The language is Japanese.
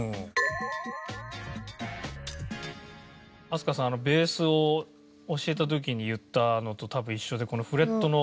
飛鳥さんベースを教えた時に言ったのと多分一緒でこのフレットの。